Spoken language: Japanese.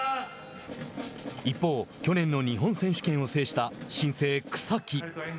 一方、去年の日本選手権を制した新星・草木。